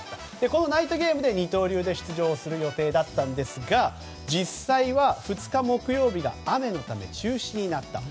このナイトゲームで二刀流で出場する予定だったんですが実際、２日木曜日が雨のため中止になった。